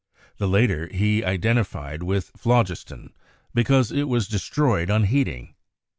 The later he iden tified with phlogiston because it was destroyed on heating.